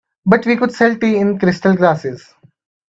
But we could sell tea in crystal glasses.